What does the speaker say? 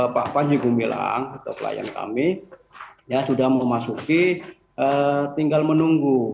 pak panji gumilang klien kami sudah memasuki tinggal menunggu